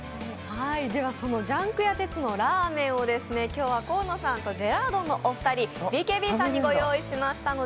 そのジャンク屋哲のラーメンを今日は河野さんとジェラードンのお二人、ＢＫＢさんにご用意しました。